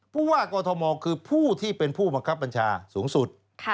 ผู้ว่ากอทมคือผู้ที่เป็นผู้บังคับบัญชาสูงสุด